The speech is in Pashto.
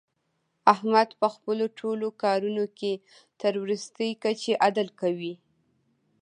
احمد په خپلو ټول کارونو کې تر ورستۍ کچې عدل کوي.